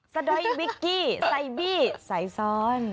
ดอยวิกกี้ไซบี้ใส่ซ้อน